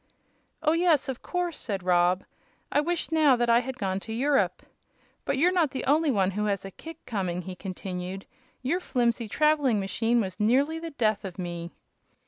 "Oh, yes, of course," said Rob. "I wish now that I had gone to Europe. But you're not the only one who has a kick coming," he continued. "Your flimsy traveling machine was nearly the death of me."